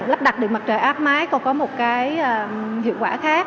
lắp đặt điện mặt trời áp mái còn có một cái hiệu quả khác